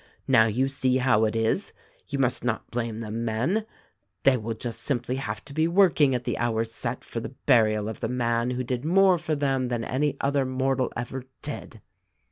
Now you see how it is. You must not blame the men ! They will just simply have to be working at the hour set for the burial of the man who did more for them than any other mortal ever did."